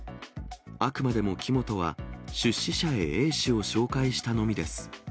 あくまでも木本は、出資者へＡ氏を紹介したのみです。